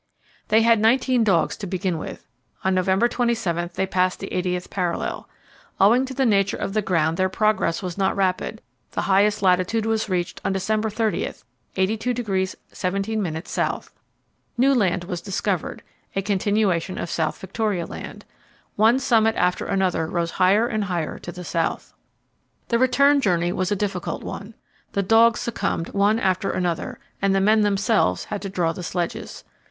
They had nineteen dogs to begin with. On November 27 they passed the 80th parallel. Owing to the nature of the ground their progress was not rapid; the highest latitude was reached on December 30 82° 17' S. New land was discovered a continuation of South Victoria Land. One summit after another rose higher and higher to the south. The return journey was a difficult one. The dogs succumbed one after another, and the men themselves had to draw the sledges.